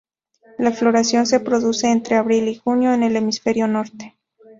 La floración se produce entre abril y junio en el hemisferio norte.